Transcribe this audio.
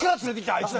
あいつ。